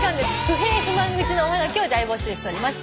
不平不満愚痴のおはがきを大募集しております。